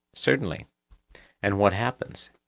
Certainly. And what happens?